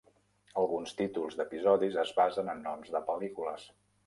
Alguns títols d'episodis es basen en noms de pel·lícules.